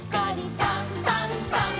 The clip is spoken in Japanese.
「さんさんさん」